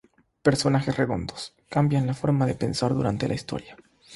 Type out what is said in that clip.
Personajes redondos: cambian la forma de pensar durante la historia.